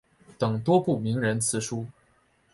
等多部名人辞书。